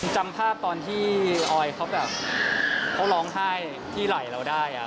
จำภาพตอนที่ออยเขาแบบเขาร้องไห้ที่ไหล่เราได้